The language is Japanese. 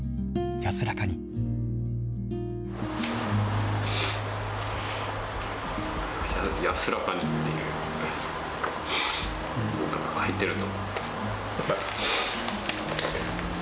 安らかにっていう、書いてると。